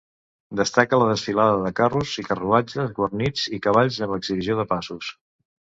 Destaca la desfilada de carros i carruatges guarnits, i cavalls amb exhibició de passos.